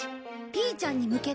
ピーちゃんに向けて。